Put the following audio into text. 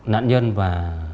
nạn nhân và